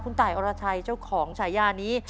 คุณตายอรชัยเจ้าของฉายานี้